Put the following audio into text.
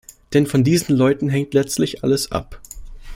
Denn von diesen Leuten hängt letztlich alles ab.